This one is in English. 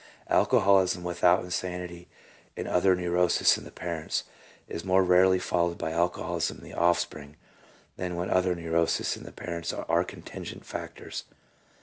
Alcoholism without insanity and other neuroses in the parents is more rarely followed by alcoholism in the offspring than when other neuroses in the parents are contingent factors.